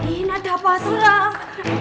ini ada apaan